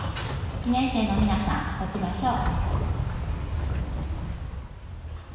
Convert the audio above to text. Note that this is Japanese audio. １年生の皆さん、立ちましょう。